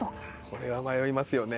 これは迷いますよね。